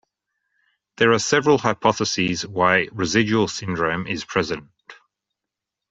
There are several hypotheses why residual syndrome is present.